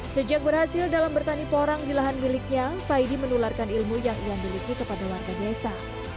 sejak berhasil dalam bertani porang di lahan miliknya faidi menularkan ilmu yang ia miliki kepada warga desa